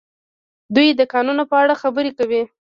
دوی د کانونو په اړه خبرې کوي.